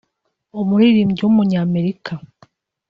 umuririmbyi w’umunyamerika